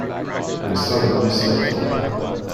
I started my stud farm.